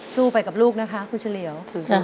สู้ไปกับลูกนะคะคุณเฉลี่ยว